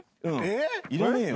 いらねえよ。